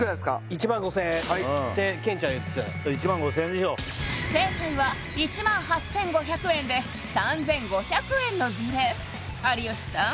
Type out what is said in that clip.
１万５０００円って兼ちゃん言ってた１万５０００円でしょう正解は１万８５００円で３５００円のズレ有吉さん